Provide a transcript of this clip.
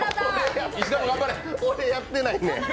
俺やってないねん。